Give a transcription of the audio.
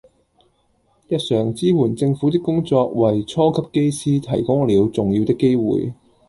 日常支援政府的工作為初級機師提供了重要的機會